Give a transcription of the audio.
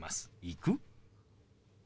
「行く？」。